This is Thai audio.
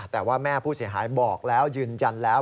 แต่ว่าแม่ผู้เสียหายบอกแล้วยืนยันแล้ว